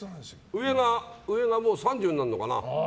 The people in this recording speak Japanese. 上がもう３０になるのかな。